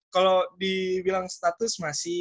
kalau dibilang status masih